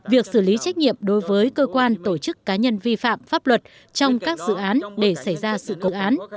việc xử lý trách nhiệm đối với cơ quan tổ chức cá nhân vi phạm pháp luật trong các dự án để xảy ra sự cố án